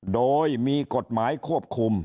โดยมีกฎหมายควบคุม